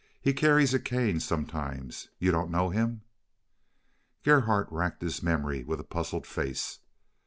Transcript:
He carries a cane sometimes. You don't know him?" Gerhardt racked his memory with a puzzled face.